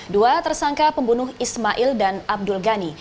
dua tersangka pembunuh ismail dan abdul ghani